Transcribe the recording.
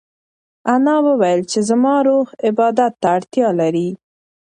انا وویل چې زما روح عبادت ته اړتیا لري.